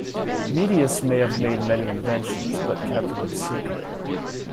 Metius may have made many inventions but kept them secret.